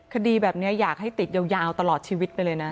คดีแบบนี้อยากให้ติดยาวตลอดชีวิตไปเลยนะ